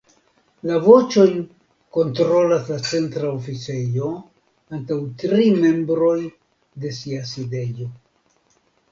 La voĉojn kontrolas la Centra Oficejo, antaŭ tri membroj de sia sidejo.